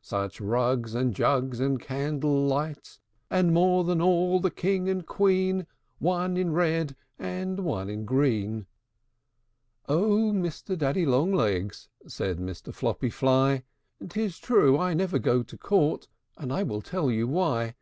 Such rugs and jugs and candle lights! And, more than all, the king and queen, One in red, and one in green." III. "O Mr. Daddy Long legs!" Said Mr. Floppy Fly, "It's true I never go to court; And I will tell you why.